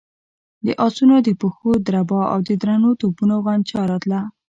د آسونو د پښو دربا او د درنو توپونو غنجا راتله.